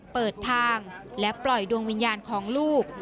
เปิดทางและปล่อยดวงวิญญาณของลูก